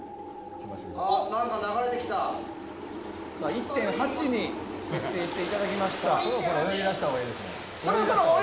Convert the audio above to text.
１．８に設定していただきました。